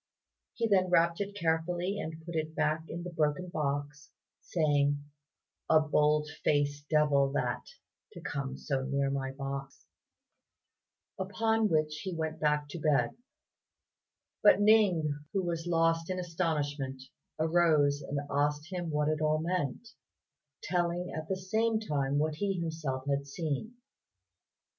He then wrapped it up carefully and put it back in the broken box, saying, "A bold faced devil that, to come so near my box;" upon which he went back to bed; but Ning, who was lost in astonishment, arose and asked him what it all meant, telling at the same time what he himself had seen.